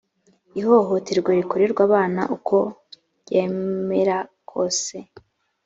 ihohoterwa rikorerwa abana uko ryemera kose